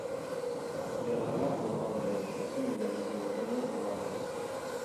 ئېغىرراق بولغانلىرى كىرسىن بىلەن يۇيۇلغىنى مۇۋاپىق.